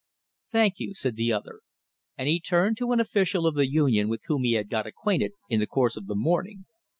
"Thank you," said the other; and he turned to an official of the union with whom he had got acquainted in the course of the morning.